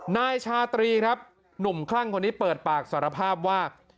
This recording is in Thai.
นายชาตรีครับหนุ่มคลั่งคนนี้เปิดปากสารภาพว่า